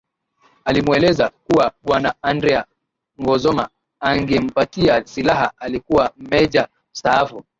Alimweleza kuwa bwana Andrea Ngozoma angempatia silaha alikuwa meja mstaafu